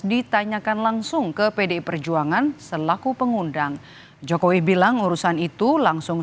ditanyakan langsung ke pdi perjuangan selaku pengundang jokowi bilang urusan itu langsung